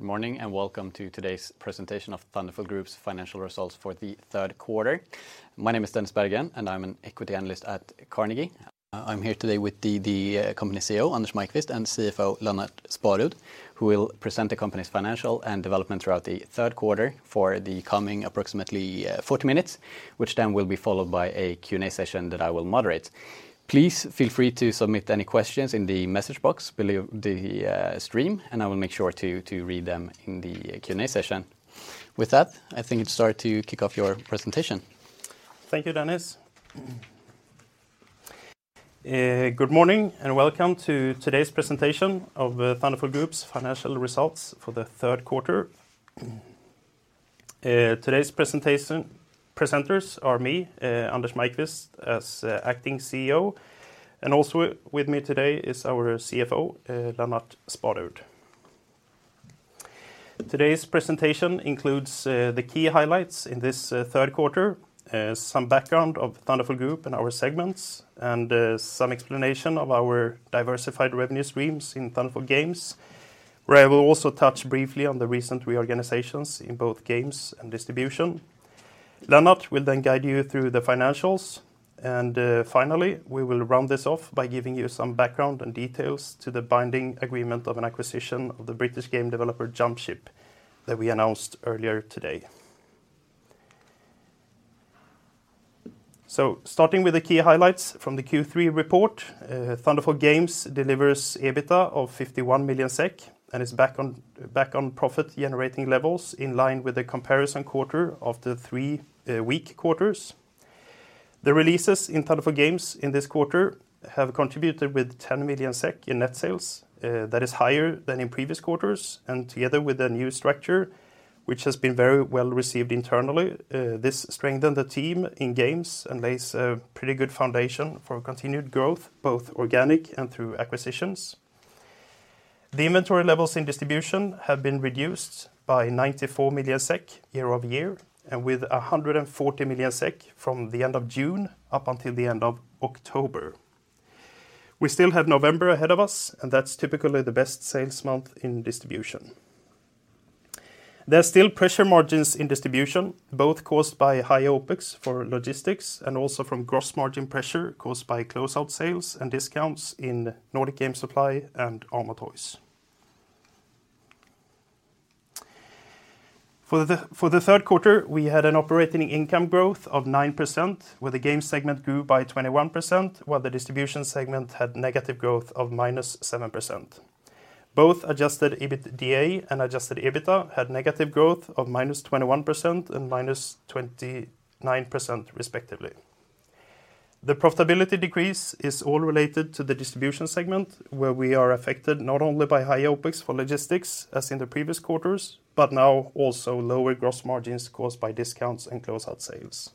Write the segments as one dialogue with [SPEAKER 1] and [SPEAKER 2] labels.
[SPEAKER 1] Good morning, and welcome to today's presentation of Thunderful Group's financial results for the third quarter. My name is Dennis Berggren, and I'm an Equity Analyst at Carnegie. I'm here today with the company CEO, Anders Maiqvist, and CFO Lennart Sparud, who will present the company's financial and development throughout the third quarter for the coming approximately 40 minutes, which then will be followed by a Q&A session that I will moderate. Please feel free to submit any questions in the message box below the stream, and I will make sure to read them in the Q&A session. With that, I think it's time to kick off your presentation.
[SPEAKER 2] Thank you, Dennis. Good morning and welcome to today's presentation of Thunderful Group's financial results for the third quarter. Today's presentation presenters are me, Anders Maiqvist as Acting CEO, and also with me today is our CFO, Lennart Sparud. Today's presentation includes the key highlights in this third quarter, some background of Thunderful Group and our segments, and some explanation of our diversified revenue streams in Thunderful Games, where I will also touch briefly on the recent reorganizations in both Games and Distribution. Lennart will then guide you through the financials. Finally, we will round this off by giving you some background and details to the binding agreement of an acquisition of the British game developer Jumpship that we announced earlier today. Starting with the key highlights from the Q3 report, Thunderful Games delivers EBITDA of 51 million SEK and is back on profit generating levels in line with the comparison quarter after three weak quarters. The releases in Thunderful Games in this quarter have contributed with 10 million SEK in net sales, that is higher than in previous quarters, and together with the new structure, which has been very well-received internally, this strengthened the team in Games and lays a pretty good foundation for continued growth, both organic and through acquisitions. The inventory levels in Distribution have been reduced by 94 million SEK year-over-year and with 140 million SEK from the end of June up until the end of October. We still have November ahead of us, and that's typically the best sales month in Distribution. There are still pressure margins in Distribution, both caused by high OpEx for logistics and also from gross margin pressure caused by close-out sales and discounts in Nordic Game Supply and Amo Toys. For the third quarter, we had an operating income growth of 9%, where the Games segment grew by 21%, while the Distribution segment had negative growth of -7%. Both adjusted EBIT and adjusted EBITDA had negative growth of -21% and -29% respectively. The profitability decrease is all related to the Distribution segment, where we are affected not only by high OpEx for logistics as in the previous quarters, but now also lower gross margins caused by discounts and close-out sales.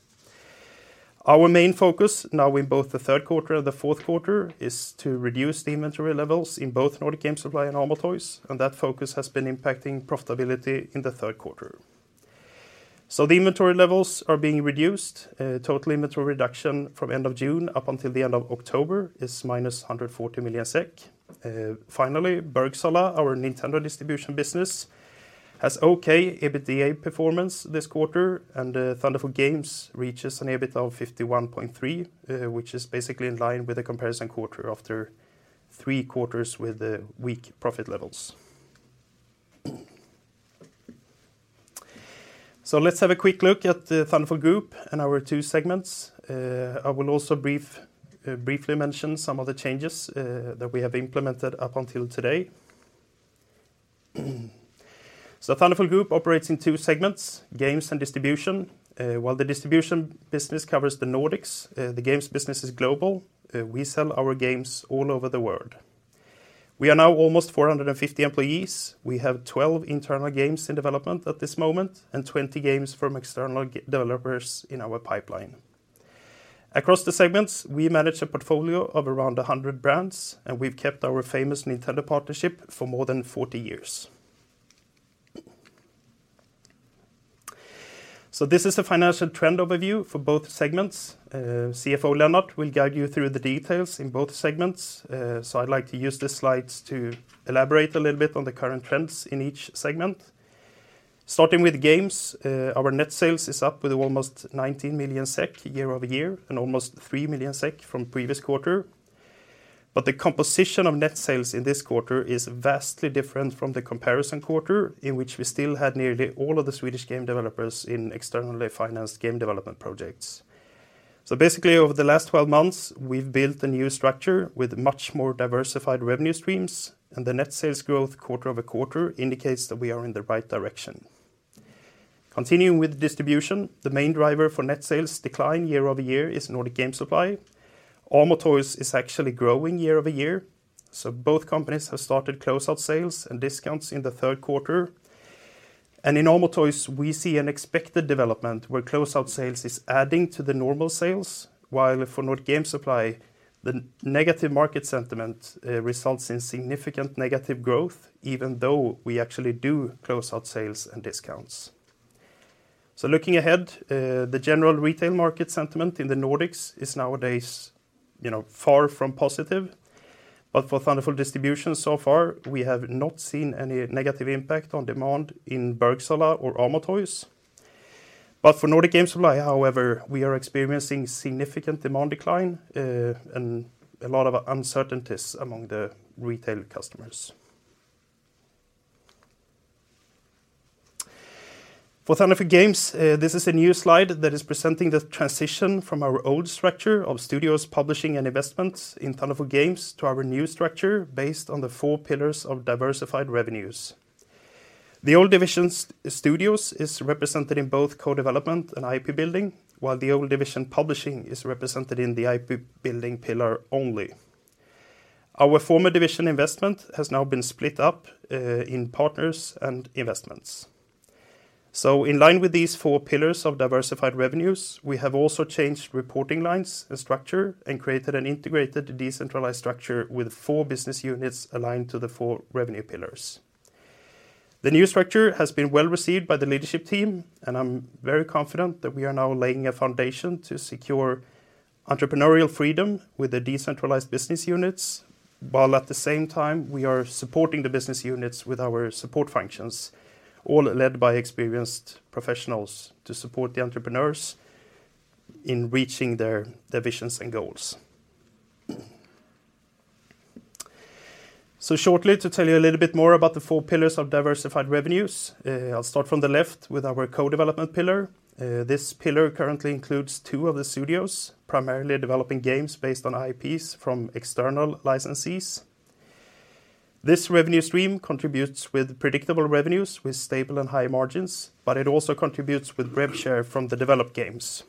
[SPEAKER 2] Our main focus now in both the third quarter and the fourth quarter is to reduce the inventory levels in both Nordic Game Supply and Amo Toys, and that focus has been impacting profitability in the third quarter. The inventory levels are being reduced. Total inventory reduction from end of June up until the end of October is -140 million SEK. Finally, Bergsala, our Nintendo distribution business, has okay EBITDA performance this quarter, and the Thunderful Games reaches an EBITDA of 51.3, which is basically in line with the comparison quarter after three quarters with the weak profit levels. Let's have a quick look at the Thunderful Group and our two segments. I will also briefly mention some of the changes that we have implemented up until today. Thunderful Group operates in two segments, Games and Distribution. While the Distribution business covers the Nordics, the Games business is global. We sell our games all over the world. We are now almost 450 employees. We have 12 internal games in development at this moment and 20 games from external developers in our pipeline. Across the segments, we manage a portfolio of around 100 brands, and we've kept our famous Nintendo partnership for more than 40 years. This is a financial trend overview for both segments. CFO Lennart Sparud will guide you through the details in both segments. I'd like to use the slides to elaborate a little bit on the current trends in each segment. Starting with Games, our net sales is up with almost 19 million SEK year-over-year and almost 3 million SEK from previous quarter. The composition of net sales in this quarter is vastly different from the comparison quarter in which we still had nearly all of the Swedish game developers in externally financed game development projects. Basically, over the last 12 months, we've built a new structure with much more diversified revenue streams, and the net sales growth quarter-over-quarter indicates that we are in the right direction. Continuing with Distribution, the main driver for net sales decline year-over-year is Nordic Game Supply. Amo Toys is actually growing year-over-year, so both companies have started close-out sales and discounts in the third quarter. In Amo Toys, we see an expected development where close-out sales is adding to the normal sales, while for Nordic Game Supply, the negative market sentiment results in significant negative growth even though we actually do close-out sales and discounts. Looking ahead, the general retail market sentiment in the Nordics is nowadays, you know, far from positive. For Thunderful Distribution so far, we have not seen any negative impact on demand in Bergsala or Amo Toys. For Nordic Game Supply, however, we are experiencing significant demand decline and a lot of uncertainties among the retail customers. For Thunderful Games, this is a new slide that is presenting the transition from our old structure of studios publishing and investments in Thunderful Games to our new structure based on the four pillars of diversified revenues. The old divisions studios is represented in both co-development and IP building, while the old division publishing is represented in the IP building pillar only. Our former division investment has now been split up in partners and investments. In line with these four pillars of diversified revenues, we have also changed reporting lines and structure and created an integrated decentralized structure with four business units aligned to the four revenue pillars. The new structure has been well received by the leadership team, and I'm very confident that we are now laying a foundation to secure entrepreneurial freedom with the decentralized business units, while at the same time we are supporting the business units with our support functions, all led by experienced professionals to support the entrepreneurs in reaching their visions and goals. Shortly to tell you a little bit more about the four pillars of diversified revenues, I'll start from the left with our co-development pillar. This pillar currently includes two of the studios, primarily developing games based on IPs from external licensees. This revenue stream contributes with predictable revenues with stable and high margins, but it also contributes with rev share from the developed games.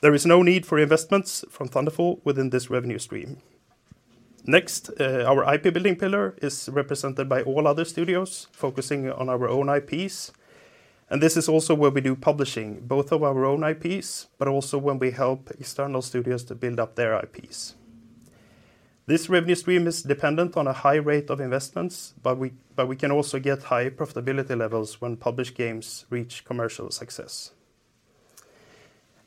[SPEAKER 2] There is no need for investments from Thunderful within this revenue stream. Next, our IP building pillar is represented by all other studios focusing on our own IPs, and this is also where we do publishing both of our own IPs, but also when we help external studios to build up their IPs. This revenue stream is dependent on a high rate of investments, but we can also get high profitability levels when published games reach commercial success.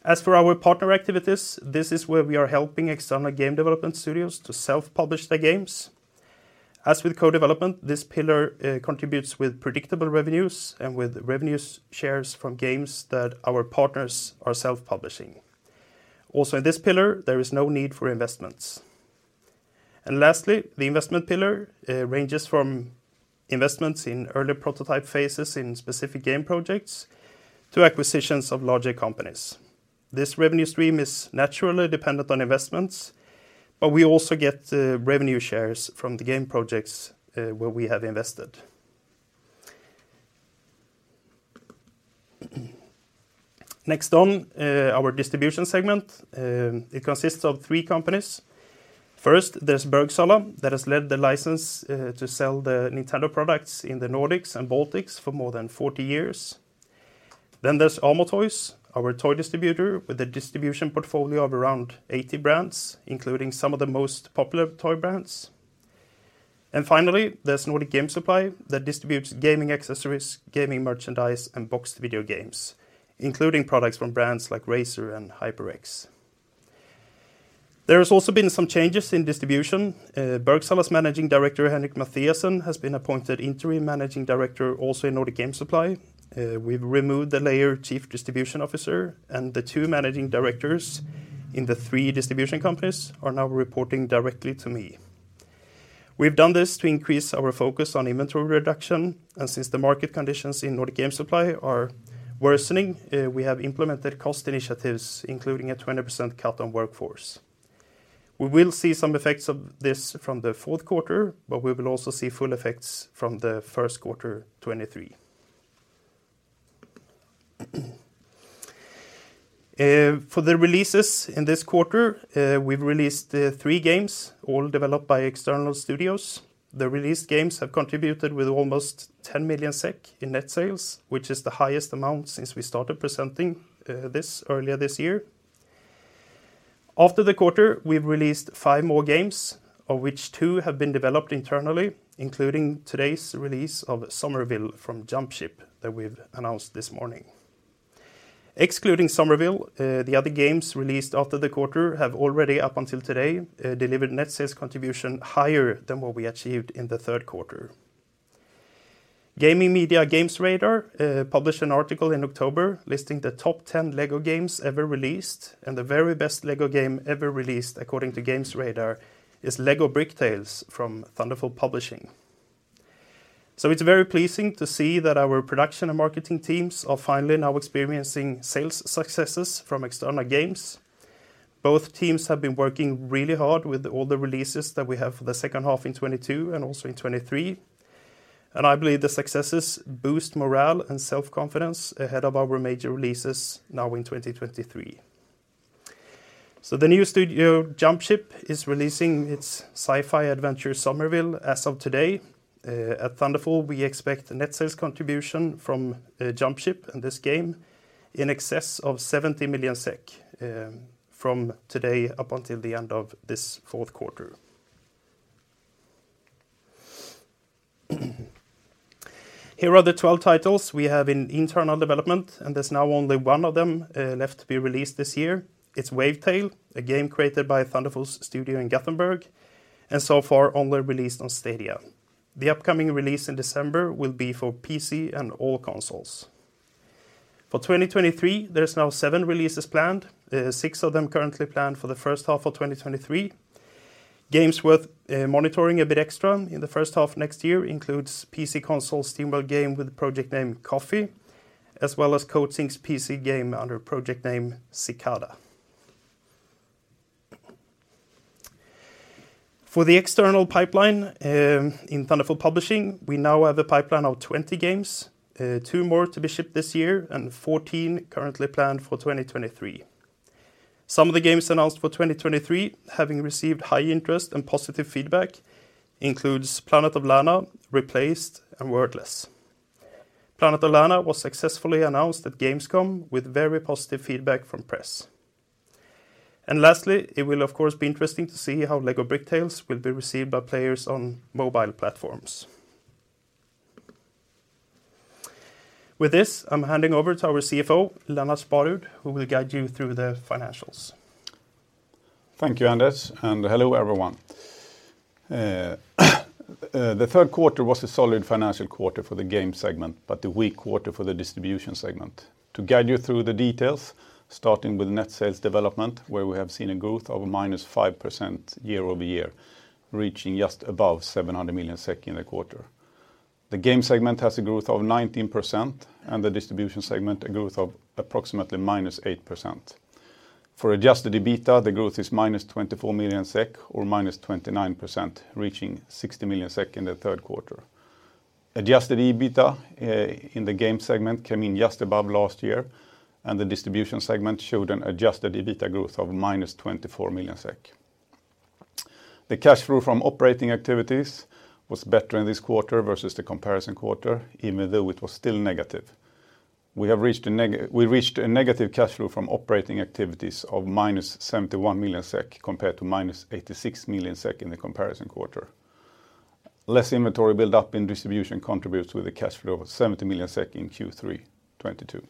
[SPEAKER 2] As for our partner activities, this is where we are helping external game development studios to self-publish their games. As with co-development, this pillar contributes with predictable revenues and with revenues shares from games that our partners are self-publishing. Also in this pillar, there is no need for investments. Lastly, the investment pillar ranges from investments in early prototype phases in specific game projects to acquisitions of larger companies. This revenue stream is naturally dependent on investments, but we also get revenue shares from the game projects where we have invested. Next on our distribution segment, it consists of three companies. First, there's Bergsala that has held the license to sell the Nintendo products in the Nordics and Baltics for more than 40 years. There's Amo Toys, our toy distributor with a distribution portfolio of around 80 brands, including some of the most popular toy brands. Finally, there's Nordic Game Supply that distributes gaming accessories, gaming merchandise, and boxed video games, including products from brands like Razer and HyperX. There has also been some changes in distribution. Bergsala's managing director, Henrik Mathiasen, has been appointed interim managing director also in Nordic Game Supply. We've removed the layer chief distribution officer and the two managing directors in the three distribution companies are now reporting directly to me. We've done this to increase our focus on inventory reduction, and since the market conditions in Nordic Game Supply are worsening, we have implemented cost initiatives, including a 20% cut on workforce. We will see some effects of this from the fourth quarter, but we will also see full effects from the first quarter 2023. For the releases in this quarter, we've released three games all developed by external studios. The released games have contributed with almost 10 million SEK in net sales, which is the highest amount since we started presenting this earlier this year. After the quarter, we've released five more games, of which two have been developed internally, including today's release of Somerville from Jumpship that we've announced this morning. Excluding Somerville, the other games released after the quarter have already up until today delivered net sales contribution higher than what we achieved in the third quarter. Gaming media GamesRadar+, published an article in October listing the top 10 LEGO games ever released, and the very best LEGO game ever released, according to GamesRadar+, is LEGO Bricktales from Thunderful Publishing. It's very pleasing to see that our production and marketing teams are finally now experiencing sales successes from external games. Both teams have been working really hard with all the releases that we have for the second half in 2022 and also in 2023, and I believe the successes boost morale and self-confidence ahead of our major releases now in 2023. The new studio, Jumpship, is releasing its sci-fi adventure Somerville as of today. At Thunderful, we expect net sales contribution from Jumpship and this game in excess of 70 million SEK from today up until the end of this fourth quarter. Here are the 12 titles we have in internal development, and there's now only one of them left to be released this year. It's Wavetale, a game created by Thunderful's studio in Gothenburg, and so far only released on Stadia. The upcoming release in December will be for PC and all consoles. For 2023, there's now seven releases planned, six of them currently planned for the first half of 2023. Games worth monitoring a bit extra in the first half next year includes PC console SteamWorld game with the project name Coffee, as well as Coatsink's PC game under project name Cicada. For the external pipeline, in Thunderful Publishing, we now have a pipeline of 20 games, two more to be shipped this year and 14 currently planned for 2023. Some of the games announced for 2023, having received high interest and positive feedback, includes Planet of Lana, Replaced, and Worldless. Planet of Lana was successfully announced at Gamescom with very positive feedback from press. Lastly, it will, of course, be interesting to see how LEGO Bricktales will be received by players on mobile platforms. With this, I'm handing over to our CFO, Lennart Sparud, who will guide you through the financials.
[SPEAKER 3] Thank you, Anders, and hello, everyone. The third quarter was a solid financial quarter for the game segment, but a weak quarter for the distribution segment. To guide you through the details, starting with net sales development, where we have seen a growth of -5% year-over-year, reaching just above 700 million SEK in the quarter. The game segment has a growth of 19% and the distribution segment a growth of approximately -8%. For adjusted EBITDA, the growth is -24 million SEK or -29%, reaching 60 million SEK in the third quarter. Adjusted EBITDA in the game segment came in just above last year, and the distribution segment showed an adjusted EBITDA growth of -24 million SEK. The cash flow from operating activities was better in this quarter versus the comparison quarter, even though it was still negative. We reached a negative cash flow from operating activities of -71 million SEK compared to -86 million SEK in the comparison quarter. Less inventory built up in distribution contributes with a cash flow of 70 million SEK in Q3 2022.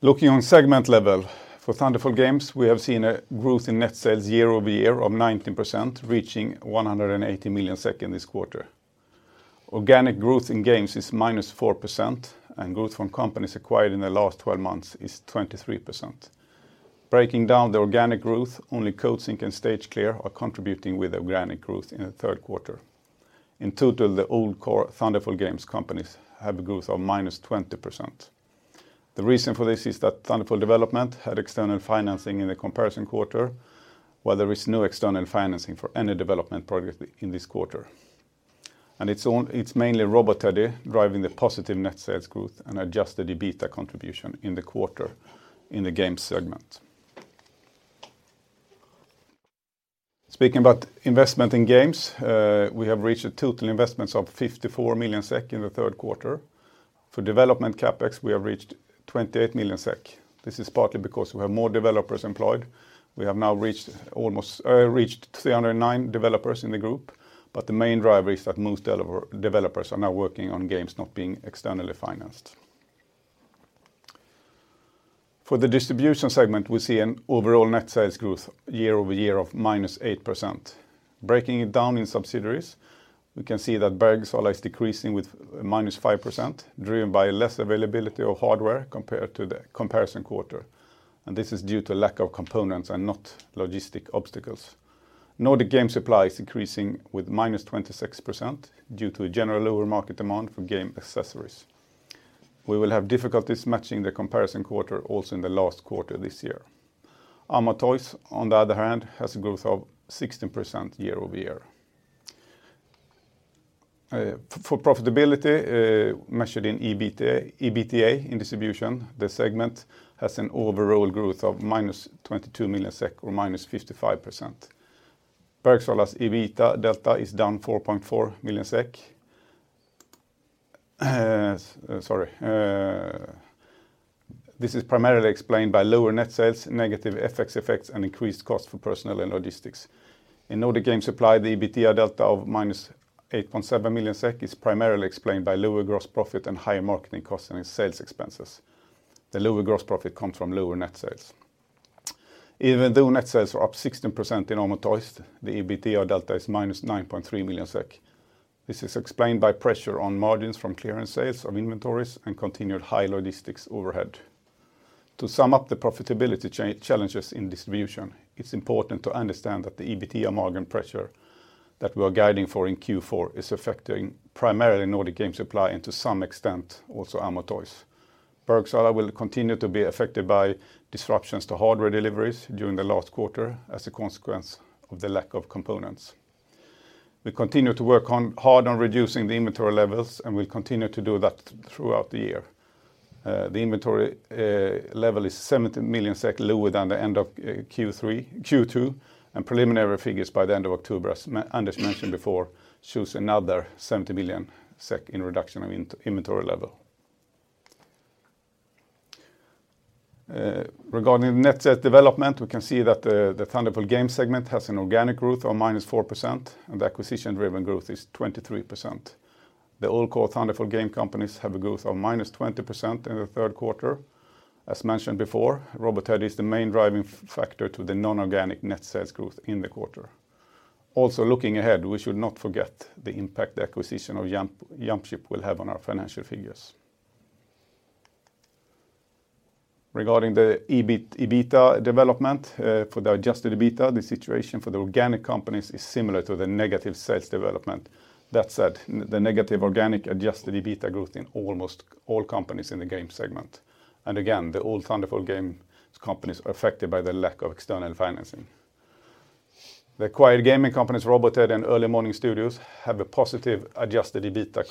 [SPEAKER 3] Looking on segment level, for Thunderful Games, we have seen a growth in net sales year-over-year of 19%, reaching 180 million in this quarter. Organic growth in games is -4%, and growth from companies acquired in the last 12 months is 23%. Breaking down the organic growth, only Coatsink and Stage Clear Studios are contributing with organic growth in the third quarter. In total, the old core Thunderful Games companies have a growth of -20%. The reason for this is that Thunderful Development had external financing in the comparison quarter, while there is no external financing for any development project in this quarter. It's mainly Robot Teddy driving the positive net sales growth and adjusted EBITDA contribution in the quarter in the game segment. Speaking about investment in games, we have reached a total investments of 54 million SEK in the third quarter. For development CapEx, we have reached 28 million SEK. This is partly because we have more developers employed. We have now reached 309 developers in the group, but the main driver is that most developers are now working on games not being externally financed. For the distribution segment, we see an overall net sales growth year-over-year of -8%. Breaking it down in subsidiaries, we can see that Bergsala is decreasing with -5%, driven by less availability of hardware compared to the comparison quarter. This is due to lack of components and not logistic obstacles. Nordic Game Supply is increasing with -26% due to a general lower market demand for game accessories. We will have difficulties matching the comparison quarter also in the last quarter this year. Amo Toys, on the other hand, has a growth of 16% year-over-year. For profitability, measured in EBITDA in distribution, the segment has an overall growth of -22 million SEK or -55%. Bergsala's EBITDA delta is down 4.4 million SEK. This is primarily explained by lower net sales, negative FX effects, and increased cost for personnel and logistics. In Nordic Game Supply, the EBITDA delta of minus 8.7 million SEK is primarily explained by lower gross profit and higher marketing costs and sales expenses. The lower gross profit comes from lower net sales. Even though net sales are up 16% in Amo Toys, the EBITDA delta is minus 9.3 million SEK. This is explained by pressure on margins from clearance sales of inventories and continued high logistics overhead. To sum up the profitability challenges in distribution, it's important to understand that the EBITDA margin pressure that we are guiding for in Q4 is affecting primarily Nordic Game Supply and to some extent also Amo Toys. Bergsala will continue to be affected by disruptions to hardware deliveries during the last quarter as a consequence of the lack of components. We continue to work hard on reducing the inventory levels, and we'll continue to do that throughout the year. The inventory level is 70 million SEK lower than the end of Q2, and preliminary figures by the end of October, as Anders mentioned before, shows another 70 million SEK in reduction of inventory level. Regarding net sales development, we can see that the Thunderful Games segment has an organic growth of -4% and the acquisition-driven growth is 23%. All the core Thunderful Games companies have a growth of -20% in the third quarter. As mentioned before, Robot Teddy is the main driving factor to the non-organic net sales growth in the quarter. Looking ahead, we should not forget the impact of the acquisition of Jumpship will have on our financial figures. Regarding the EBIT and EBITDA development, for the adjusted EBITDA, the situation for the organic companies is similar to the negative sales development. That said, the negative organic adjusted EBITDA growth in almost all companies in the game segment. Again, all the Thunderful Games companies are affected by the lack of external financing. The acquired gaming companies, Robot Teddy and Early Morning Studio, have a positive adjusted EBITDA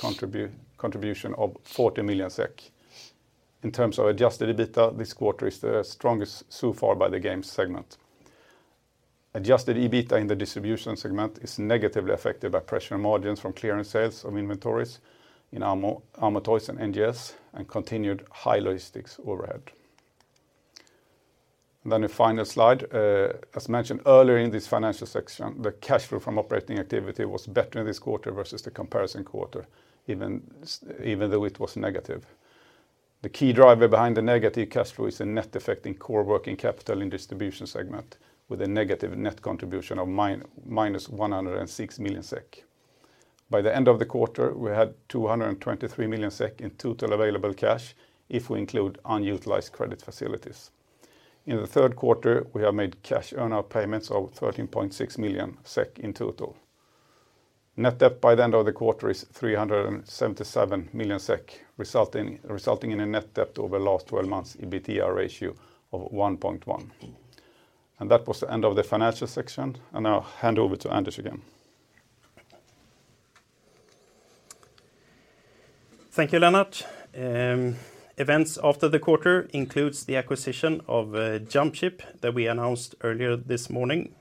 [SPEAKER 3] contribution of 40 million SEK. In terms of adjusted EBITDA, this quarter is the strongest so far for the Games segment. Adjusted EBITDA in the Distribution segment is negatively affected by margin pressure from clearance sales of inventories in Amo Toys and NGS and continued high logistics overhead. The final slide. As mentioned earlier in this financial section, the cash flow from operating activity was better this quarter versus the comparison quarter, even though it was negative. The key driver behind the negative cash flow is a net effect in core working capital in distribution segment with a negative net contribution of minus 106 million SEK. By the end of the quarter, we had 223 million SEK in total available cash if we include unutilized credit facilities. In the third quarter, we have made cash earn-out payments of 13.6 million SEK in total. Net debt by the end of the quarter is 377 million SEK, resulting in a net debt over the last twelve months EBITDA ratio of 1.1. That was the end of the financial section. I'll hand over to Anders again.
[SPEAKER 2] Thank you, Lennart. Events after the quarter include the acquisition of Jumpship that we announced earlier this morning.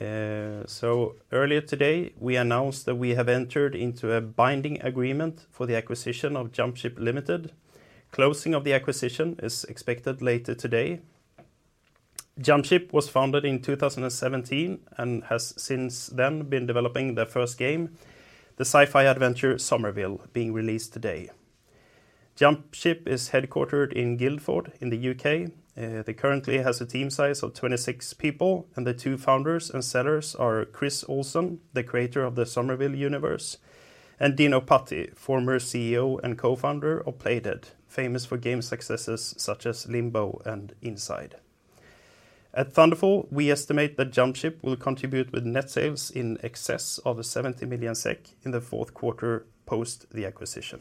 [SPEAKER 2] Earlier today, we announced that we have entered into a binding agreement for the acquisition of Jumpship Ltd. Closing of the acquisition is expected later today. Jumpship was founded in 2017 and has since then been developing their first game, the sci-fi adventure Somerville, being released today. Jumpship is headquartered in Guildford in the U.K. They currently have a team size of 26 people, and the two founders and sellers are Chris Olsen, the creator of the Somerville universe, and Dino Patti, former CEO and co-founder of Playdead, famous for game successes such as Limbo and Inside. At Thunderful, we estimate that Jumpship will contribute with net sales in excess of 70 million SEK in the fourth quarter post the acquisition.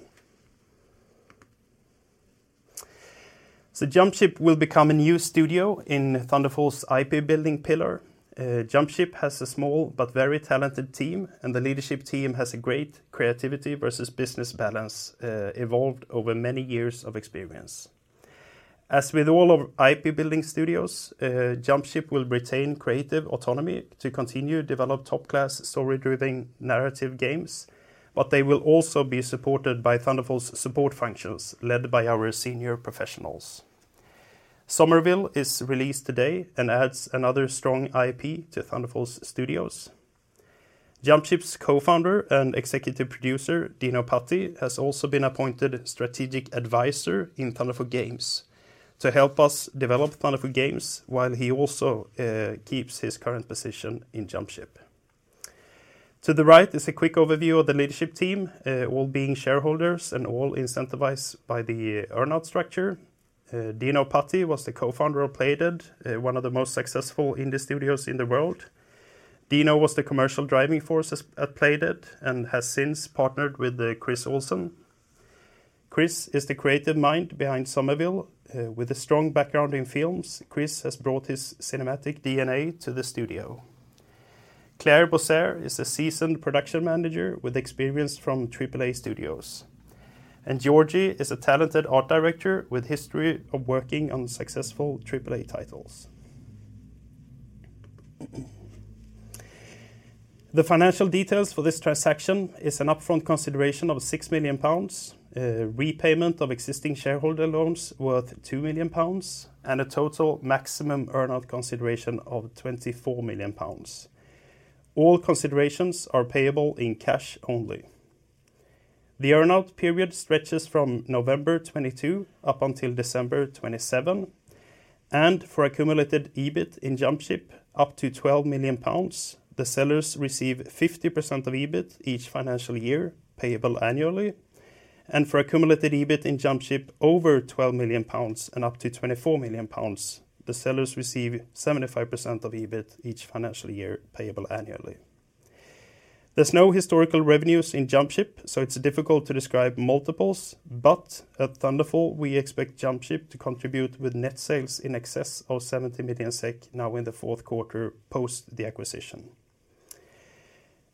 [SPEAKER 2] Jumpship will become a new studio in Thunderful's IP building pillar. Jumpship has a small but very talented team, and the leadership team has a great creativity versus business balance, evolved over many years of experience. As with all of IP building studios, Jumpship will retain creative autonomy to continue to develop top-class story-driven narrative games, but they will also be supported by Thunderful's support functions, led by our senior professionals. Somerville is released today and adds another strong IP to Thunderful's studios. Jumpship's Co-Founder and Executive Producer, Dino Patti, has also been appointed Strategic Advisor in Thunderful Games to help us develop Thunderful Games while he also keeps his current position in Jumpship. To the right is a quick overview of the leadership team, all being shareholders and all incentivized by the earn-out structure. Dino Patti was the co-founder of Playdead, one of the most successful indie studios in the world. Dino was the commercial driving force at Playdead and has since partnered with Chris Olsen. Chris is the creative mind behind Somerville. With a strong background in films, Chris has brought his cinematic DNA to the studio. Claire Boissiere is a seasoned production manager with experience from AAA studios. Georgi is a talented art director with history of working on successful AAA titles. The financial details for this transaction is an upfront consideration of 6 million pounds, repayment of existing shareholder loans worth 2 million pounds, and a total maximum earn-out consideration of 24 million pounds. All considerations are payable in cash only. The earn-out period stretches from November 2022 up until December 2027, and for accumulated EBIT in Jumpship up to 12 million pounds, the sellers receive 50% of EBIT each financial year, payable annually. For accumulated EBIT in Jumpship over 12 million pounds and up to 24 million pounds, the sellers receive 75% of EBIT each financial year, payable annually. There's no historical revenues in Jumpship, so it's difficult to describe multiples. At Thunderful, we expect Jumpship to contribute with net sales in excess of 70 million SEK now in the fourth quarter post the acquisition.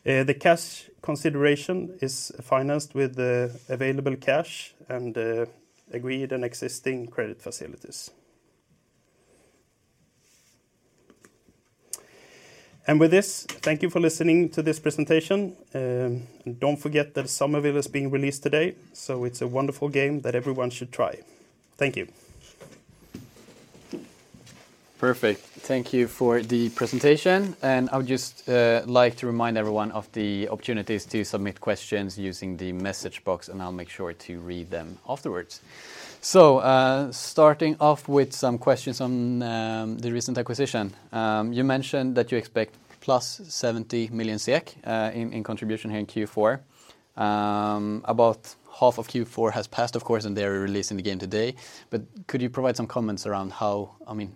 [SPEAKER 2] The cash consideration is financed with the available cash and agreed and existing credit facilities. With this, thank you for listening to this presentation. Don't forget that Somerville is being released today, so it's a wonderful game that everyone should try. Thank you.
[SPEAKER 1] Perfect. Thank you for the presentation, and I would just like to remind everyone of the opportunities to submit questions using the message box, and I'll make sure to read them afterwards. Starting off with some questions on the recent acquisition. You mentioned that you expect plus 70 million SEK in contribution here in Q4. About half of Q4 has passed, of course, and they're releasing the game today. Could you provide some comments around how I mean,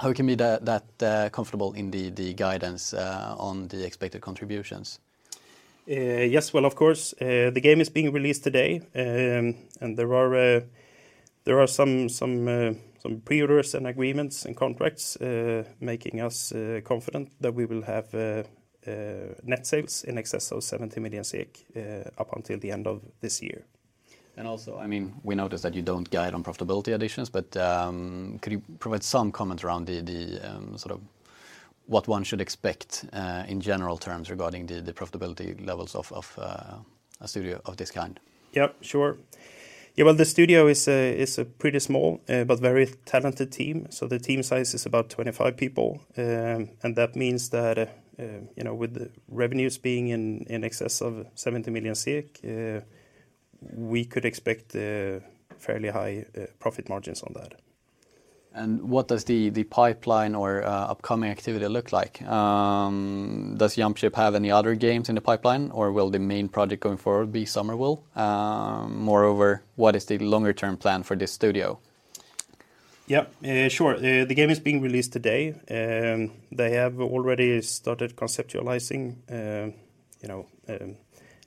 [SPEAKER 1] how we can be that comfortable in the guidance on the expected contributions?
[SPEAKER 2] Yes. Well, of course, the game is being released today. There are some preorders and agreements and contracts making us net sales in excess of 70 million SEK up until the end of this year.
[SPEAKER 1] I mean, we noticed that you don't guide on profitability additions, but could you provide some comment around the sort of what one should expect in general terms regarding the profitability levels of a studio of this kind?
[SPEAKER 2] Yep, sure. Yeah, well, the studio is a pretty small but very talented team. The team size is about 25 people. That means that, you know, with the revenues being in excess of 70 million SEK, we could expect fairly high profit margins on that.
[SPEAKER 1] What does the pipeline or upcoming activity look like? Does Jumpship have any other games in the pipeline, or will the main project going forward be Somerville? Moreover, what is the longer-term plan for this studio?
[SPEAKER 2] Yeah, sure. The game is being released today. They have already started conceptualizing, you know,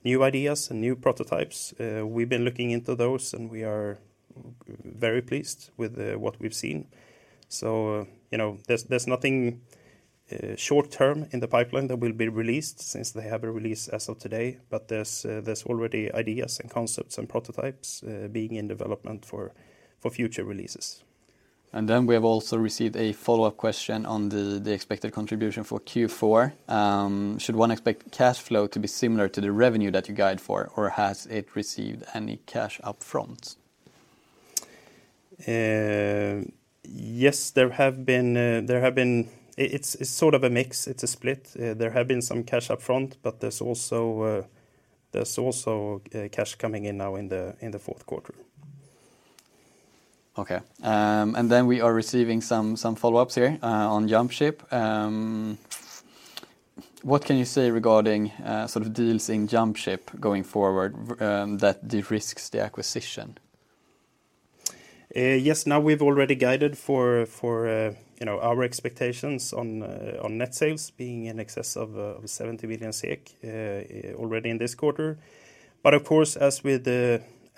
[SPEAKER 2] new ideas and new prototypes. We've been looking into those, and we are very pleased with what we've seen. You know, there's nothing short-term in the pipeline that will be released since they have a release as of today. But there's already ideas and concepts and prototypes being in development for future releases.
[SPEAKER 1] We have also received a follow-up question on the expected contribution for Q4. Should one expect cash flow to be similar to the revenue that you guide for, or has it received any cash up-front?
[SPEAKER 2] Yes, there have been. It's sort of a mix. It's a split. There have been some cash up front, but there's also cash coming in now in the fourth quarter.
[SPEAKER 1] Okay. We are receiving some follow-ups here on Jumpship. What can you say regarding sort of deals in Jumpship going forward that de-risks the acquisition?
[SPEAKER 2] Yes, now we've already guided for you know, our expectations on net sales being in excess of 70 million SEK already in this quarter. Of course,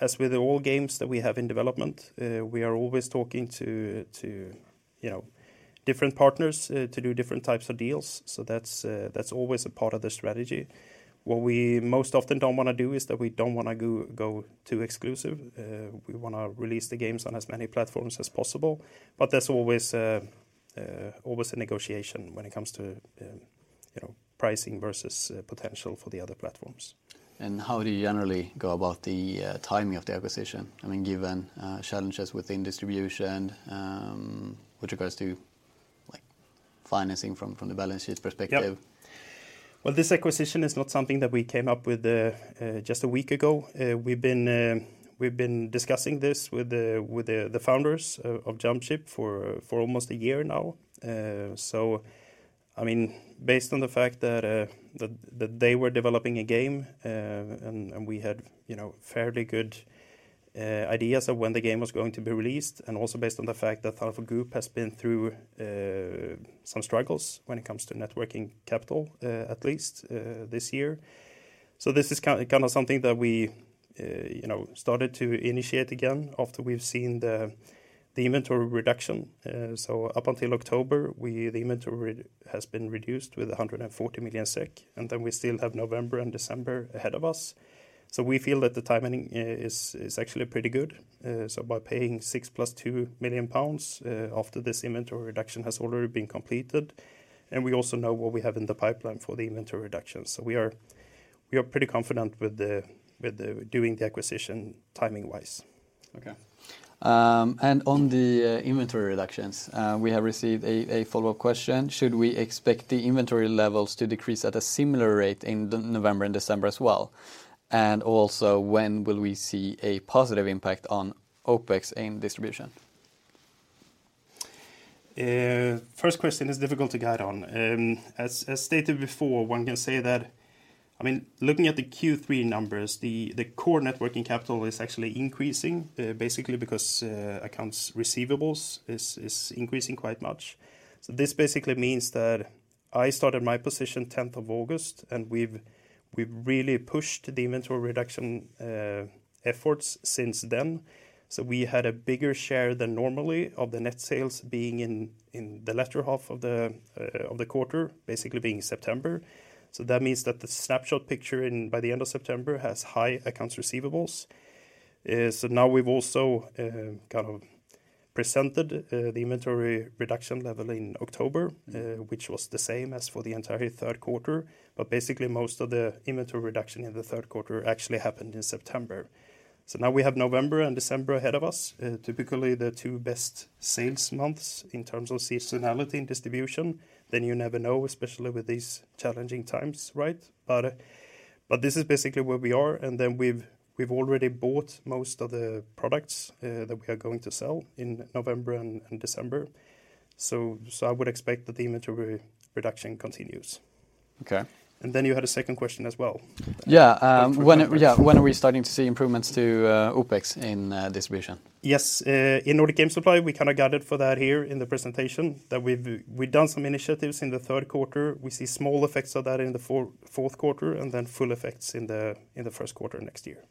[SPEAKER 2] as with all games that we have in development, we are always talking to you know, different partners to do different types of deals. That's always a part of the strategy. What we most often don't wanna do is that we don't wanna go too exclusive. We wanna release the games on as many platforms as possible. That's always a negotiation when it comes to you know, pricing versus potential for the other platforms.
[SPEAKER 1] How do you generally go about the timing of the acquisition? I mean, given challenges within distribution, with regards to, like, financing from the balance sheet perspective?
[SPEAKER 2] Yep. Well, this acquisition is not something that we came up with just a week ago. We've been discussing this with the founders of Jumpship for almost a year now. I mean, based on the fact that they were developing a game and we had, you know, fairly good ideas of when the game was going to be released, and also based on the fact that Thunderful Group has been through some struggles when it comes to working capital, at least this year. This is kind of something that we, you know, started to initiate again after we've seen the inventory reduction. Up until October, the inventory has been reduced by 100 million SEK, and we still have November and December ahead of us. We feel that the timing is actually pretty good. By paying 6 million + 2 million pounds after this inventory reduction has already been completed, and we also know what we have in the pipeline for the inventory reduction. We are pretty confident with doing the acquisition timing-wise.
[SPEAKER 1] On the inventory reductions, we have received a follow-up question. Should we expect the inventory levels to decrease at a similar rate in November and December as well? When will we see a positive impact on OpEx and distribution?
[SPEAKER 2] First question is difficult to guide on. As stated before, one can say that, I mean, looking at the Q3 numbers, the core net working capital is actually increasing, basically because accounts receivable is increasing quite much. This basically means that I started my position tenth of August, and we've really pushed the inventory reduction efforts since then. We had a bigger share than normally of the net sales being in the latter half of the quarter, basically being September. That means that the snapshot picture by the end of September has high accounts receivable. Now we've also kind of presented the inventory reduction level in October, which was the same as for the entire third quarter. Basically, most of the inventory reduction in the third quarter actually happened in September. Now we have November and December ahead of us, typically the two best sales months in terms of seasonality and distribution. You never know, especially with these challenging times, right? This is basically where we are, and then we've already bought most of the products that we are going to sell in November and December. I would expect that the inventory reduction continues.
[SPEAKER 1] Okay.
[SPEAKER 2] You had a second question as well.
[SPEAKER 1] When are we starting to see improvements to OpEx in distribution?
[SPEAKER 2] Yes. In Nordic Game Supply, we kind of guided for that here in the presentation that we've done some initiatives in the third quarter. We see small effects of that in the fourth quarter and then full effects in the first quarter next year.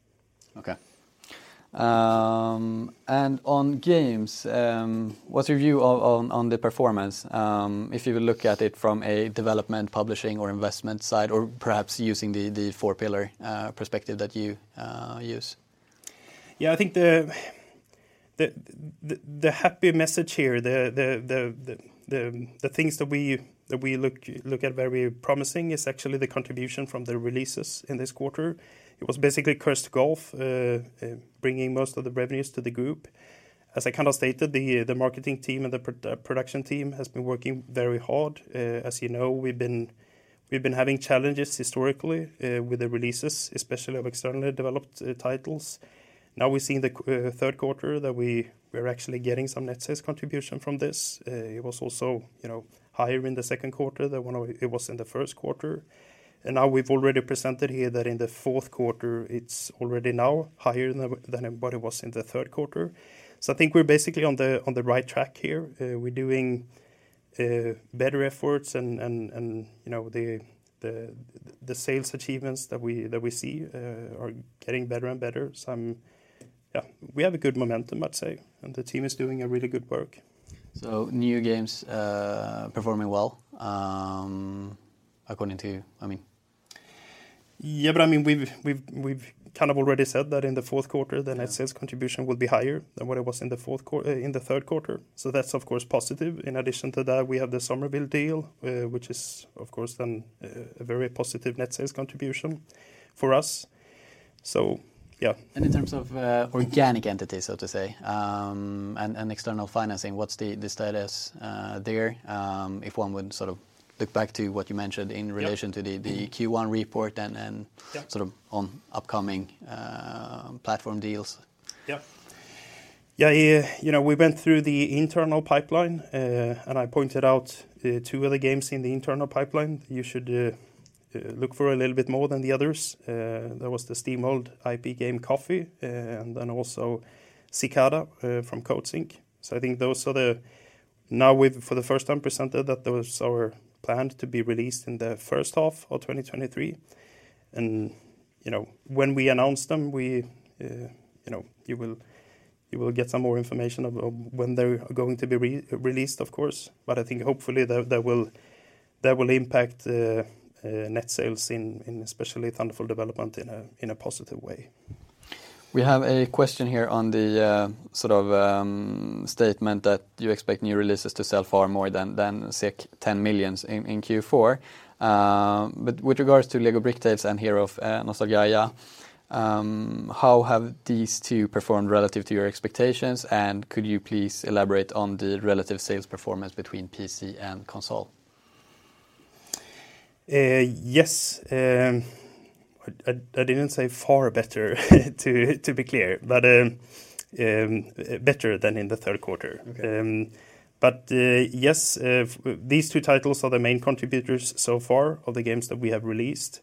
[SPEAKER 1] Okay. On games, what's your view on the performance, if you look at it from a development, publishing or investment side, or perhaps using the four-pillar perspective that you use?
[SPEAKER 2] Yeah, I think the happy message here, the things that we look at very promising is actually the contribution from the releases in this quarter. It was basically Cursed to Golf bringing most of the revenues to the group. As I kind of stated, the marketing team and the production team has been working very hard. As you know, we've been having challenges historically with the releases, especially of externally developed titles. Now we see in the third quarter that we're actually getting some net sales contribution from this. It was also, you know, higher in the second quarter than when it was in the first quarter. Now we've already presented here that in the fourth quarter, it's already now higher than what it was in the third quarter. I think we're basically on the right track here. We're doing better efforts and, you know, the sales achievements that we see are getting better and better. Yeah, we have a good momentum, I'd say, and the team is doing a really good work.
[SPEAKER 1] New games performing well, according to you, I mean.
[SPEAKER 2] Yeah, I mean, we've kind of already said that in the fourth quarter, the net sales contribution will be higher than what it was in the third quarter. That's, of course, positive. In addition to that, we have the Somerville deal, which is, of course, then a very positive net sales contribution for us. Yeah.
[SPEAKER 1] In terms of organic entities, so to say, and external financing, what's the status there if one would sort of look back to what you mentioned in-
[SPEAKER 2] Yeah
[SPEAKER 1] relation to the
[SPEAKER 2] Yeah
[SPEAKER 1] the Q1 report and then
[SPEAKER 2] Yeah...
[SPEAKER 1] sort of on upcoming platform deals.
[SPEAKER 2] Yeah. Yeah, you know, we went through the internal pipeline, and I pointed out two of the games in the internal pipeline you should look for a little bit more than the others. There was the SteamWorld IP game Coffee, and then also Cicada from Coatsink. I think those are. Now we've for the first time presented that those are planned to be released in the first half of 2023. You know, when we announce them, we, you know, you will get some more information of when they are going to be released, of course. I think hopefully that will impact the net sales in especially Thunderful Development in a positive way.
[SPEAKER 1] We have a question here on the sort of statement that you expect new releases to sell far more than say 10 million in Q4. With regards to LEGO Bricktales and The Last Hero of Nostalgaia, how have these two performed relative to your expectations? Could you please elaborate on the relative sales performance between PC and console?
[SPEAKER 2] Yes, I didn't say far better, to be clear, but better than in the third quarter.
[SPEAKER 1] Okay.
[SPEAKER 2] Yes, these two titles are the main contributors so far of the games that we have released.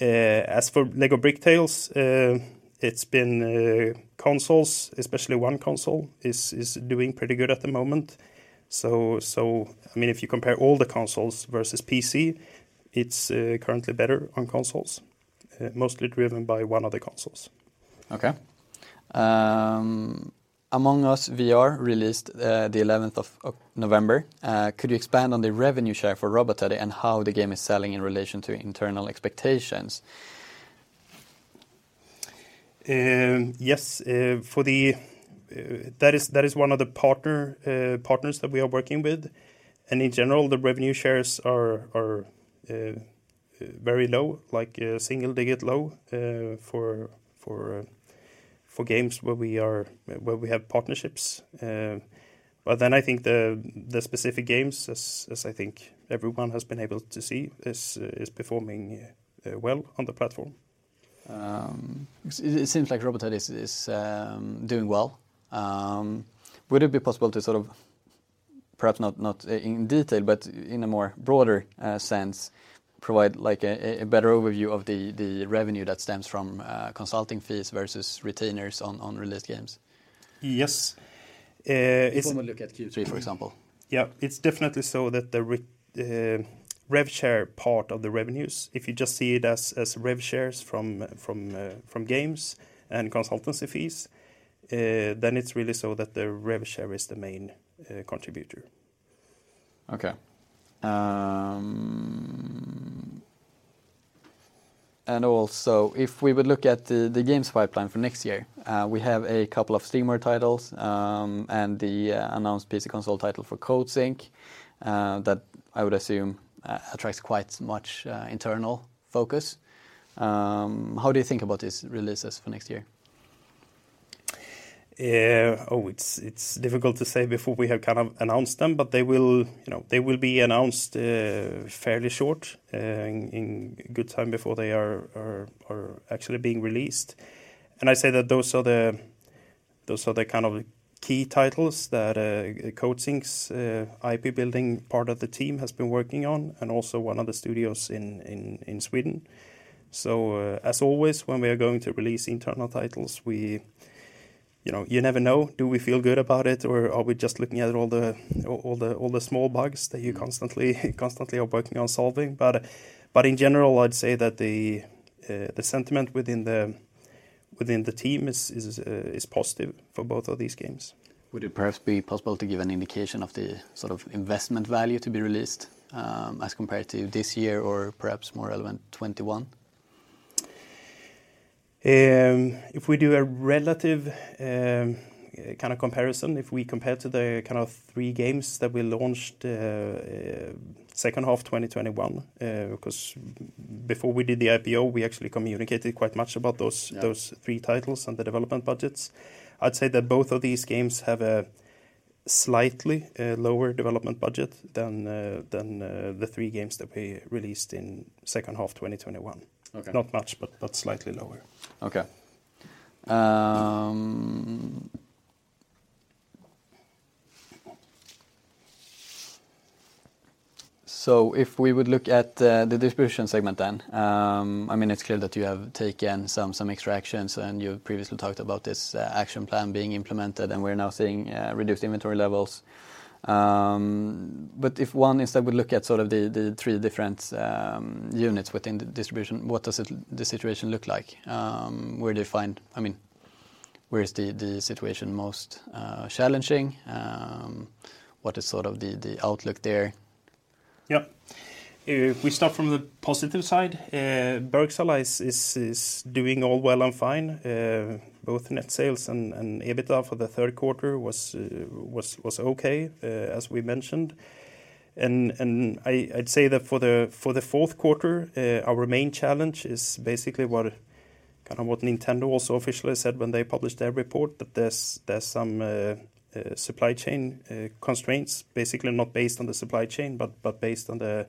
[SPEAKER 2] As for LEGO Bricktales, it's been consoles, especially one console is doing pretty good at the moment. I mean, if you compare all the consoles versus PC, it's currently better on consoles, mostly driven by one of the consoles.
[SPEAKER 1] Among us VR released the eleventh of November. Could you expand on the revenue share for Robotality and how the game is selling in relation to internal expectations?
[SPEAKER 2] That is one of the partners that we are working with. In general, the revenue shares are very low, like single-digit low, for games where we have partnerships. Then I think the specific games, as I think everyone has been able to see, is performing well on the platform.
[SPEAKER 1] It seems like Robotality is doing well. Would it be possible to sort of, perhaps not in detail, but in a more broader sense, provide like a better overview of the revenue that stems from consulting fees versus retainers on released games?
[SPEAKER 2] Yes.
[SPEAKER 1] If one would look at Q3, for example.
[SPEAKER 2] It's definitely so that the rev share part of the revenues, if you just see it as rev shares from games and consultancy fees, then it's really so that the rev share is the main contributor.
[SPEAKER 1] Also, if we would look at the games pipeline for next year, we have a couple of streamer titles, and the announced PC console title for Coatsink, that I would assume attracts quite much internal focus. How do you think about these releases for next year?
[SPEAKER 2] Yeah. Oh, it's difficult to say before we have kind of announced them, but they will, you know, they will be announced fairly soon in good time before they are actually being released. I say that those are the kind of key titles that Coatsink's IP building part of the team has been working on and also one of the studios in Sweden. As always, when we are going to release internal titles, we, you know, you never know, do we feel good about it or are we just looking at all the small bugs that you constantly are working on solving? In general, I'd say that the sentiment within the team is positive for both of these games.
[SPEAKER 1] Would it perhaps be possible to give an indication of the sort of investment value to be released, as compared to this year or perhaps more relevant, 2021?
[SPEAKER 2] If we do a relative kind of comparison, if we compare to the kind of three games that we launched second half of 2021, because before we did the IPO, we actually communicated quite much about those.
[SPEAKER 1] Yeah
[SPEAKER 2] Those three titles and the development budgets. I'd say that both of these games have a slightly lower development budget than the three games that we released in second half of 2021.
[SPEAKER 1] Okay.
[SPEAKER 2] Not much, but slightly lower.
[SPEAKER 1] Okay. If we would look at the distribution segment then, I mean, it's clear that you have taken some actions and you previously talked about this action plan being implemented, and we're now seeing reduced inventory levels. If one instead would look at sort of the three different units within the distribution, what does the situation look like? I mean, where is the situation most challenging? What is sort of the outlook there?
[SPEAKER 2] Yeah. If we start from the positive side, Bergsala is doing all well and fine. Both net sales and EBITDA for the third quarter was okay, as we mentioned. I'd say that for the fourth quarter, our main challenge is basically what Nintendo also officially said when they published their report, that there's some supply chain constraints, basically not based on the supply chain, but based on the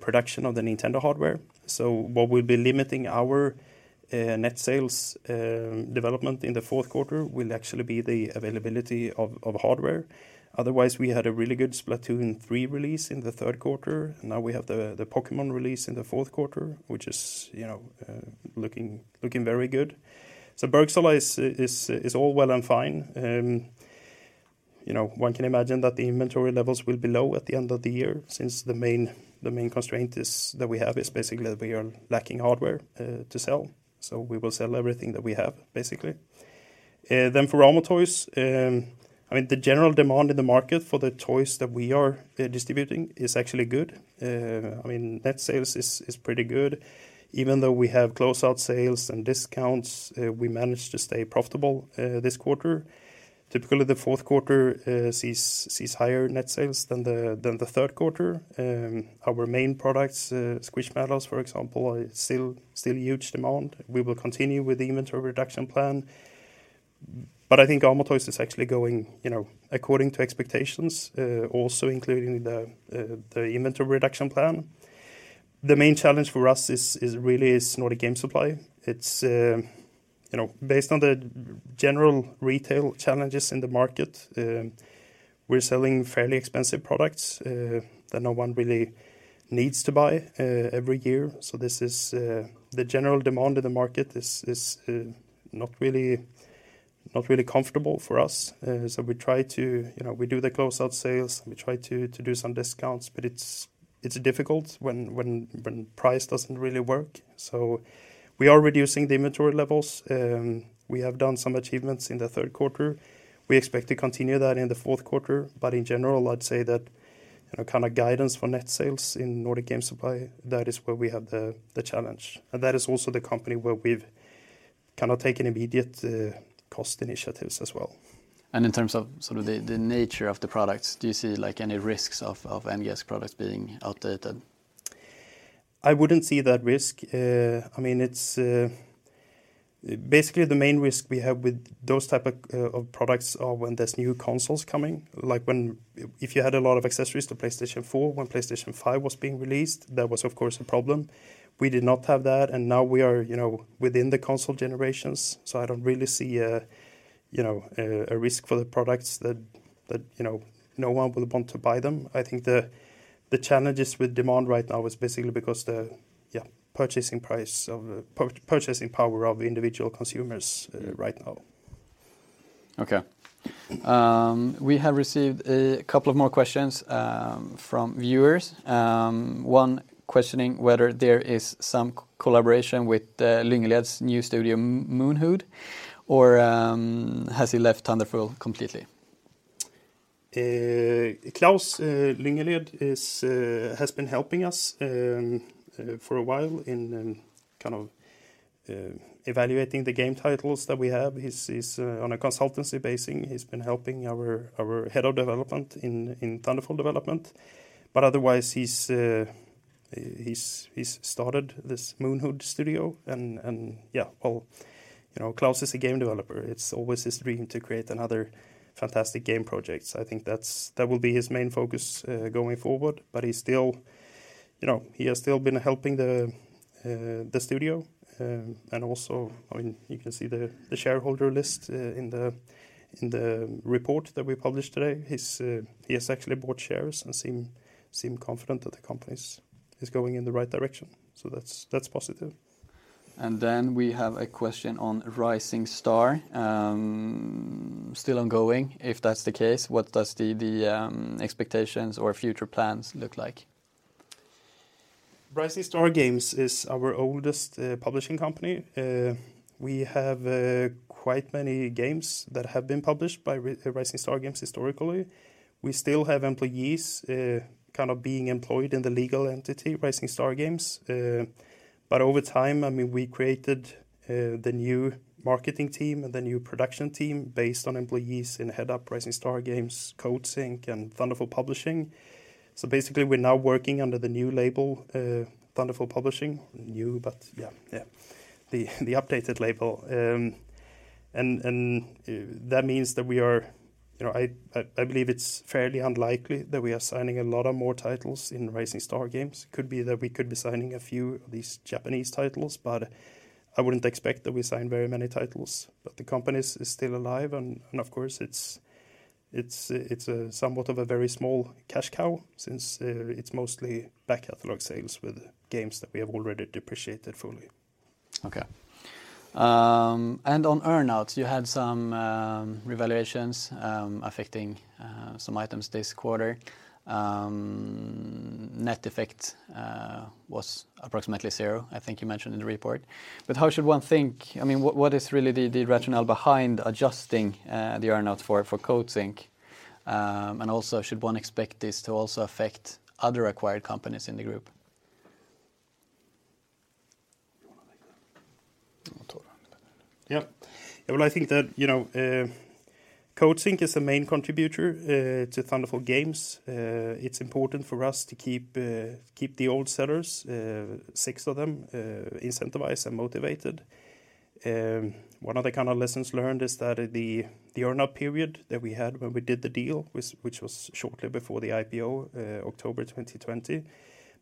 [SPEAKER 2] production of the Nintendo hardware. What will be limiting our net sales development in the fourth quarter will actually be the availability of hardware. Otherwise, we had a really good Splatoon 3 release in the third quarter. Now we have the Pokémon release in the fourth quarter, which is looking very good. Bergsala is all well and fine. One can imagine that the inventory levels will be low at the end of the year since the main constraint is basically that we are lacking hardware to sell. We will sell everything that we have, basically. For Amo Toys, I mean, the general demand in the market for the toys that we are distributing is actually good. I mean, net sales is pretty good. Even though we have closeout sales and discounts, we managed to stay profitable this quarter. Typically, the fourth quarter sees higher net sales than the third quarter. Our main products, Squishmallows, for example, are still huge demand. We will continue with the inventory reduction plan. I think Amo Toys is actually going, you know, according to expectations, also including the inventory reduction plan. The main challenge for us is really Nordic Game Supply. It's, you know, based on the general retail challenges in the market, we're selling fairly expensive products that no one really needs to buy every year. This is the general demand in the market is not really comfortable for us. We try to, you know, we do the closeout sales, we try to do some discounts, but it's difficult when price doesn't really work. We are reducing the inventory levels. We have done some achievements in the third quarter. We expect to continue that in the fourth quarter. In general, I'd say that, you know, kind of guidance for net sales in Nordic Game Supply, that is where we have the challenge. That is also the company where we've kind of taken immediate cost initiatives as well.
[SPEAKER 1] In terms of sort of the nature of the products, do you see, like, any risks of NGS products being outdated?
[SPEAKER 2] I wouldn't see that risk. I mean, it's basically the main risk we have with those type of products are when there's new consoles coming. If you had a lot of accessories to PlayStation 4 when PlayStation 5 was being released, that was of course a problem. We did not have that, and now we are, you know, within the console generations, so I don't really see a, you know, risk for the products that, you know, no one will want to buy them. I think the challenges with demand right now is basically because the purchasing power of individual consumers right now.
[SPEAKER 1] Okay. We have received a couple of more questions from viewers. One questioning whether there is some collaboration with Lyngeled's new studio MoonHood, or has he left Thunderful completely?
[SPEAKER 2] Klaus Lyngeled has been helping us for a while in kind of evaluating the game titles that we have. He's on a consultancy basis. He's been helping our head of development in Thunderful Development. Otherwise he's started this MoonHood Studio and yeah, well, you know, Klaus is a game developer. It's always his dream to create another fantastic game project. I think that will be his main focus going forward. He's still, you know, he has still been helping the studio. I mean, you can see the shareholder list in the report that we published today. He has actually bought shares and seems confident that the company is going in the right direction. That's positive.
[SPEAKER 1] We have a question on Rising Star Games. Still ongoing, if that's the case, what does the expectations or future plans look like?
[SPEAKER 2] Rising Star Games is our oldest publishing company. We have quite many games that have been published by Rising Star Games historically. We still have employees kind of being employed in the legal entity, Rising Star Games. Over time, I mean, we created the new marketing team and the new production team based on employees who head up Rising Star Games, Coatsink and Thunderful Publishing. Basically, we're now working under the new label, Thunderful Publishing, the updated label. That means you know, I believe it's fairly unlikely that we are signing a lot more titles in Rising Star Games. Could be that we could be signing a few of these Japanese titles, but I wouldn't expect that we sign very many titles. The company is still alive and of course it's somewhat of a very small cash cow since it's mostly back catalog sales with games that we have already depreciated fully.
[SPEAKER 1] On earn-outs, you had some revaluations affecting some items this quarter. Net effect was approximately zero, I think you mentioned in the report. How should one think? I mean, what is really the rationale behind adjusting the earn-out for Coatsink? Should one expect this to also affect other acquired companies in the group?
[SPEAKER 3] You wanna take that?
[SPEAKER 2] I'll take that. Yeah. Well, I think that, you know, Coatsink is a main contributor to Thunderful Games. It's important for us to keep the old sellers, six of them, incentivized and motivated. One of the kind of lessons learned is that the earn-out period that we had when we did the deal, which was shortly before the IPO, October 2020,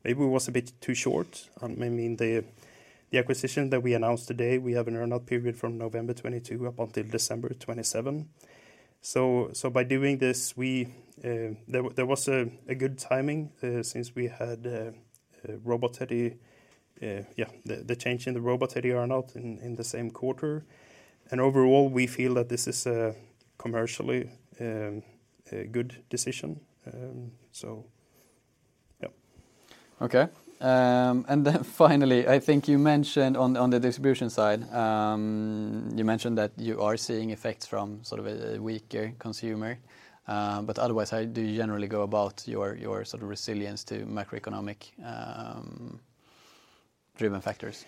[SPEAKER 2] maybe was a bit too short. I mean, the acquisition that we announced today, we have an earn-out period from November 2022 up until December 2027. By doing this, there was a good timing since we had Robot Teddy, yeah, the change in the Robot Teddy earn-out in the same quarter. Overall, we feel that this is a commercially a good decision. Yeah.
[SPEAKER 1] I think you mentioned on the distribution side that you are seeing effects from sort of a weaker consumer. Otherwise, how do you generally go about your sort of resilience to macroeconomic driven factors?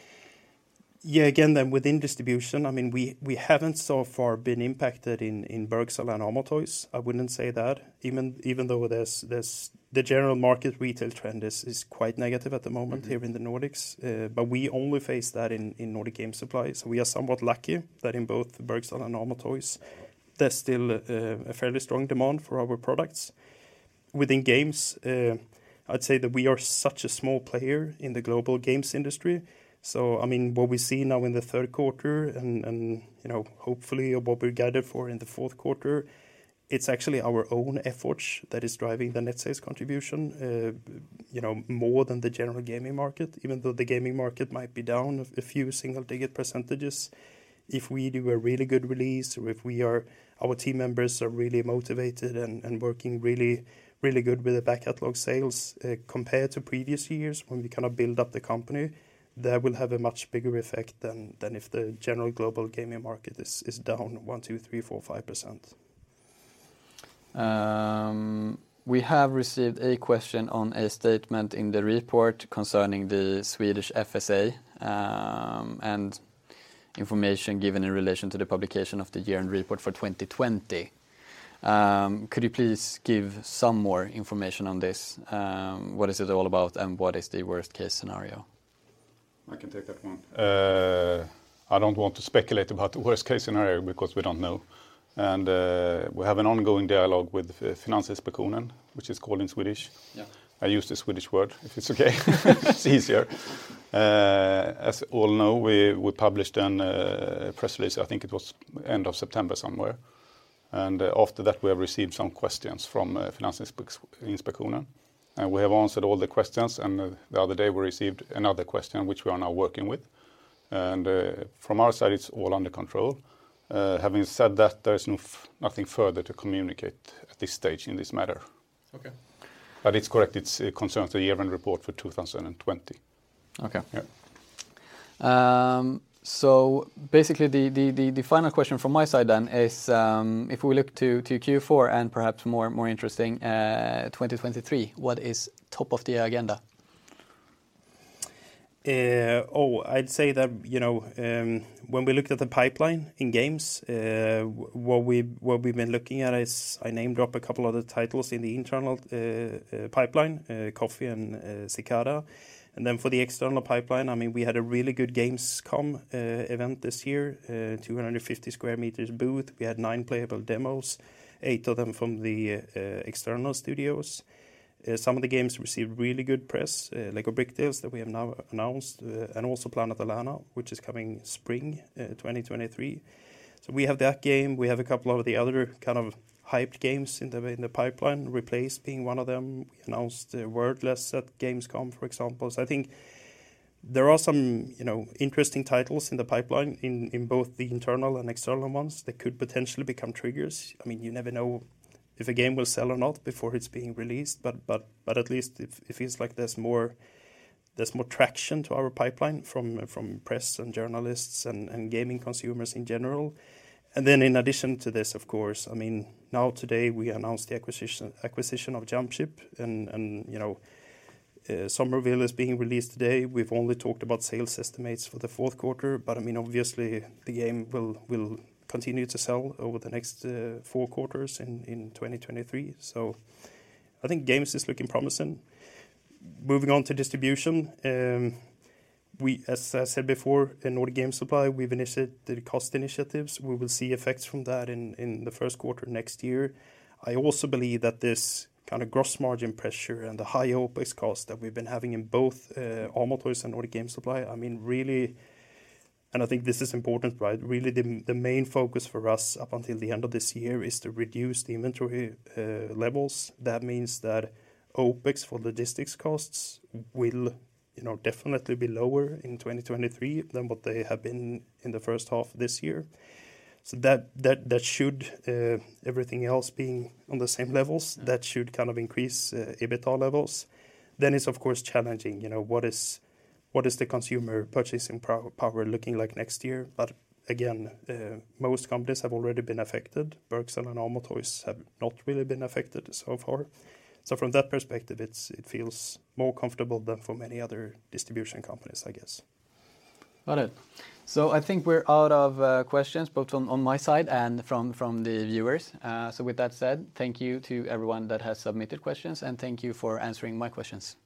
[SPEAKER 2] Yeah, again, within distribution, I mean, we haven't so far been impacted in Bergsala and Amo Toys. I wouldn't say that. Even though there's the general market retail trend is quite negative at the moment.
[SPEAKER 1] Mm-hmm
[SPEAKER 2] ...here in the Nordics. We only face that in Nordic Game Supply. We are somewhat lucky that in both Bergsala and Amo Toys, there's still a fairly strong demand for our products. Within games, I'd say that we are such a small player in the global games industry. I mean, what we see now in the third quarter and, you know, hopefully what we gather for in the fourth quarter, it's actually our own efforts that is driving the net sales contribution, you know, more than the general gaming market, even though the gaming market might be down a few single-digit %. If we do a really good release or if our team members are really motivated and working really good with the back catalog sales, compared to previous years when we kind of build up the company, that will have a much bigger effect than if the general global gaming market is down 1, 2, 3, 4, 5%.
[SPEAKER 1] We have received a question on a statement in the report concerning the Swedish FSA, and information given in relation to the publication of the year-end report for 2020. Could you please give some more information on this? What is it all about, and what is the worst-case scenario?
[SPEAKER 3] I can take that one. I don't want to speculate about the worst-case scenario because we don't know. We have an ongoing dialogue with Finansinspektionen, which is called in Swedish.
[SPEAKER 2] Yeah.
[SPEAKER 3] I use the Swedish word, if it's okay. It's easier. As all know, we published a press release, I think it was end of September somewhere. After that, we have received some questions from Finansinspektionen. We have answered all the questions, and the other day, we received another question which we are now working with. From our side, it's all under control. Having said that, there is nothing further to communicate at this stage in this matter.
[SPEAKER 1] Okay.
[SPEAKER 3] It's correct, it concerns the year-end report for 2020.
[SPEAKER 1] Okay.
[SPEAKER 3] Yeah.
[SPEAKER 1] Basically the final question from my side then is, if we look to Q4 and perhaps more interesting, 2023, what is top of the agenda?
[SPEAKER 2] I'd say that, you know, when we look at the pipeline in games, what we've been looking at is I name-dropped a couple other titles in the internal pipeline, Coffee and Cicada. For the external pipeline, I mean, we had a really good Gamescom event this year, 250 square meters booth. We had nine playable demos, eight of them from the external studios. Some of the games received really good press, like LEGO Bricktales that we have now announced, and also Planet of Lana, which is coming spring 2023. We have that game. We have a couple of the other kind of hyped games in the pipeline, Replaced being one of them. We announced Worldless at Gamescom, for example. I think there are some, you know, interesting titles in the pipeline in both the internal and external ones that could potentially become triggers. I mean, you never know if a game will sell or not before it's being released. At least it feels like there's more traction to our pipeline from press and journalists and gaming consumers in general. Then in addition to this, of course, I mean, now today we announced the acquisition of Jumpship and, you know, Somerville is being released today. We've only talked about sales estimates for the fourth quarter, but I mean, obviously the game will continue to sell over the next four quarters in 2023. I think games is looking promising. Moving on to distribution, as I said before, in Nordic Game Supply, we've initiated cost initiatives. We will see effects from that in the first quarter next year. I also believe that this kind of gross margin pressure and the high OpEx cost that we've been having in both Amo Toys and Nordic Game Supply, I mean, really. I think this is important, right? Really the main focus for us up until the end of this year is to reduce the inventory levels. That means that OpEx for logistics costs will, you know, definitely be lower in 2023 than what they have been in the first half this year. That should, everything else being on the same levels, kind of increase EBITDA levels. It's of course challenging, you know, what is the consumer purchasing power looking like next year? Again, most companies have already been affected. Bergsala and Amo Toys have not really been affected so far. From that perspective, it feels more comfortable than for many other distribution companies, I guess.
[SPEAKER 1] Got it. I think we're out of questions both on my side and from the viewers. With that said, thank you to everyone that has submitted questions, and thank you for answering my questions.
[SPEAKER 2] Thank you.